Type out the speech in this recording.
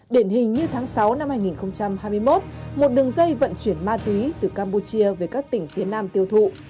điển hình như tháng sáu năm hai nghìn hai mươi một một đường dây vận chuyển ma túy từ campuchia về các tỉnh phía nam tiêu thụ